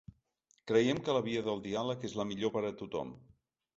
Creiem que la via del diàleg és la millor per a tothom.